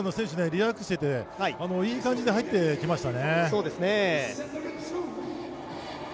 リラックスしていていい感じで入っていきましたね。